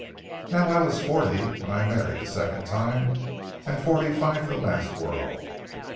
Now, I was forty when I married the second time, and forty five the last whirl.